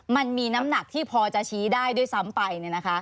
มันมีน้ำหนักที่พอจะชี้ได้ด้วยซ้ำไป